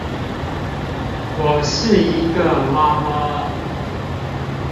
我是一個媽媽